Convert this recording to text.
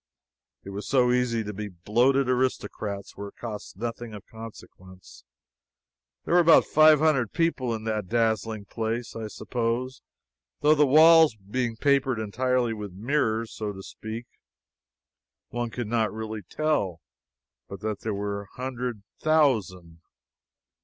It is so easy to be bloated aristocrats where it costs nothing of consequence! There were about five hundred people in that dazzling place, I suppose, though the walls being papered entirely with mirrors, so to speak, one could not really tell but that there were a hundred thousand.